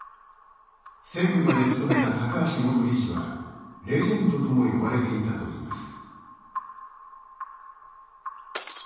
専務まで務めた高橋元理事はレジェンドとも呼ばれていたといいます。